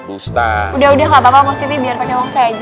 udah udah nggak apa apa mp siti biar pakai uang saya aja